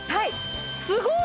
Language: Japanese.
すごい！